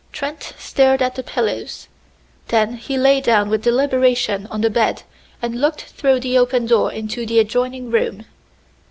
Trent stared at the pillows; then he lay down with deliberation on the bed and looked through the open door into the adjoining room.